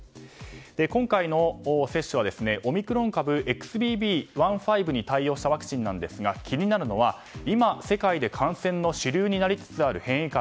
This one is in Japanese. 今回の接種はオミクロン株のＸＢＢ．１．５に対応したものですが気になるのは今世界で感染の主流になりつつある変異株。